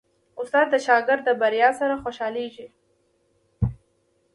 استاد د شاګرد د بریا سره خوشحالېږي.